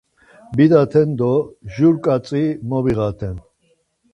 Bidaten do jur ǩatzi mobiğaten.